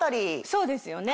そうですよね。